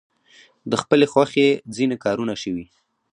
د خپلې خوښې ځینې کارونه شوي.